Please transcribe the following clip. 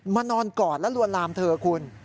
นอนกอดและลวนลามเธอคุณ